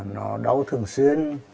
nó đau thường xuyên